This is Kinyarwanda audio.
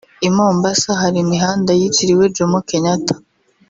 I Mombasa hari imihanda yitiriwe Jomo Kenyatta